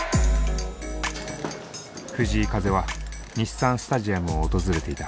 藤井風は日産スタジアムを訪れていた。